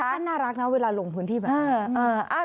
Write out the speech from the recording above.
ถ้าน่ารักนะเวลาหลงพื้นที่มา